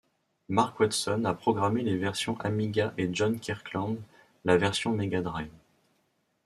Mark Watson a programmé les versions Amiga et John Kirkland, la version Mega Drive.